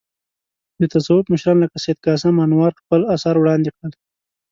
د تصوف مشران لکه سید قاسم انوار خپل اثار وړاندې کړل.